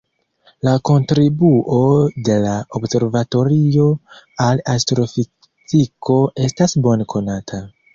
La kontribuo de la observatorio al astrofiziko estas bone konata.